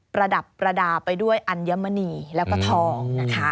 ระดับประดาษไปด้วยอัญมณีแล้วก็ทองนะคะ